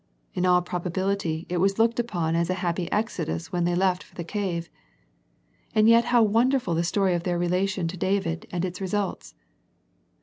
In all probability it was looked upon as a happy exodus when they left for the cave. And yet how wonderful the story of their relation to David, and its results.